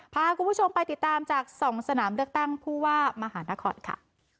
พาคุณผู้ชมไปติดตามจาก๒สนามเลือกตั้งผู้ว่ามหานครค่ะ